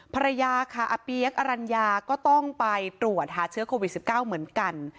ภรรยาค่ะอาเปี๊ยกอรัญญาก็ต้องไปตรวจหาเชื้อโควิด๑๙เหมือนกัน